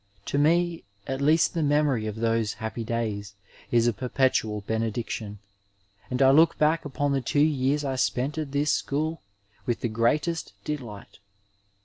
To me at least the memory of those happy days is a perpetual benediction, and I look back upon the two years I spent at this school with the greatest de light.